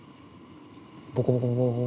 ボコボコ